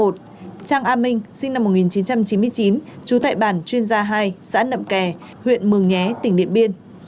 trang a minh sinh năm một nghìn chín trăm chín mươi chín trú tại bản chuyên gia hai xã nậm kè huyện mường nhé tỉnh điện biên